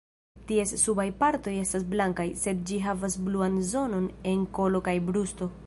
Ties subaj partoj estas blankaj, sed ĝi havas bluan zonon en kolo kaj brusto.